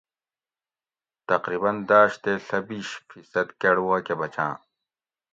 تقریباً داٞش تے ݪہ بِیش فی صد کٞڑ واکہ بچاٞں